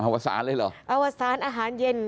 วสารเลยเหรออวสารอาหารเย็น